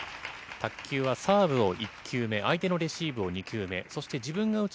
卓球はサーブを１球目、相手のレシーブを２球目、そして自分が打つ